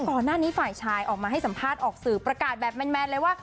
ก่อนหน้านี้ฝ่ายชายออกมาให้สัมภาษณ์ออกสื่อประกาศแบบแมนเลยว่า